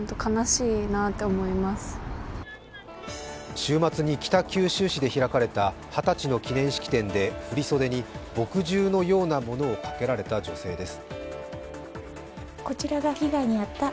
週末に北九州市で開かれた二十歳の記念式典で振り袖に墨汁のようなものをかけられた女性です。